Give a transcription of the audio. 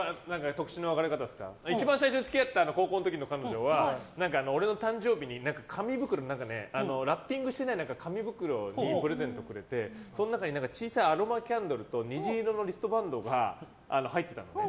俺は一番最初に付き合った高校の時の彼女は俺の誕生日にラッピングしていない紙袋でプレゼントをくれて、その中に小さいアロマキャンドルと虹色のリストバンドが入ってたんです。